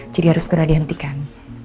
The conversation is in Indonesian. jadi harus kurang dihentikan